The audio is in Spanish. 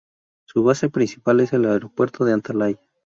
Su base principal es el Aeropuerto de Antalya.